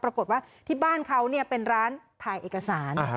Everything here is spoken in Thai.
ปรากฏว่าที่บ้านเขาเป็นร้านถ่ายเอกสาร